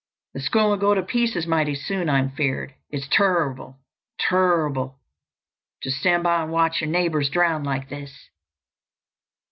The schooner'll go to pieces mighty soon, I'm feared. It's turrible! turrible! to stan' by an' watch yer neighbours drown like this!"